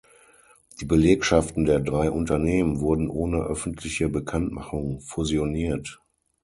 Die Belegschaften der drei Unternehmen wurden ohne öffentliche Bekanntmachung fusioniert.